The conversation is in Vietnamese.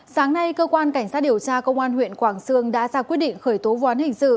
sáng nay cơ quan cảnh sát điều tra công an huyện quảng sương đã ra quyết định khởi tố vụ án hình sự